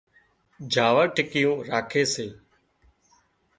جاور ٽِڪيُون راکي سي